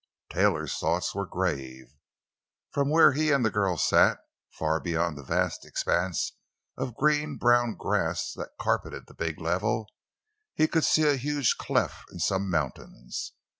Taylor's thoughts were grave. For from where he and the girl sat—far beyond the vast expanse of green brown grass that carpeted the big level—he could see a huge cleft in some mountains.